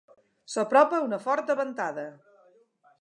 S'apropa una forta ventada.